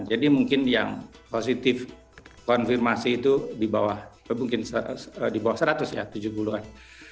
jadi mungkin yang positif konfirmasi itu di bawah mungkin di bawah seratus ya tujuh puluh an